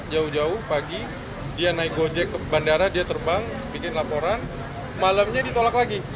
jauh jauh pagi dia naik gojek ke bandara dia terbang bikin laporan malamnya ditolak lagi